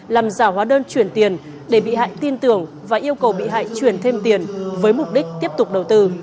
làm giả hóa đơn chuyển tiền để bị hại tin tưởng và yêu cầu bị hại chuyển thêm tiền với mục đích tiếp tục đầu tư